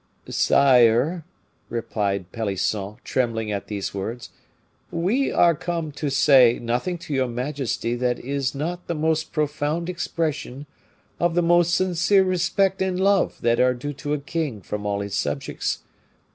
"Sire," replied Pelisson, trembling at these words, "we are come to say nothing to your majesty that is not the most profound expression of the most sincere respect and love that are due to a king from all his subjects.